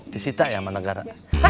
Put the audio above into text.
disita ya sama negara